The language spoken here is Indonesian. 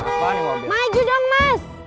aduh maju dong mas